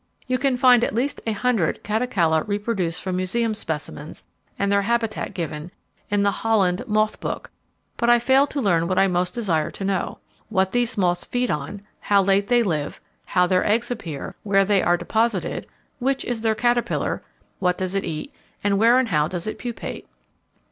You can find at least a hundred Catocala reproduced from museum specimens and their habitat given, in the Holland "Moth Book", but I fail to learn what I most desire to know: what these moths feed on; how late they live; how their eggs appear; where they are deposited; which is their caterpillar; what does it eat; and where and how does it pupate.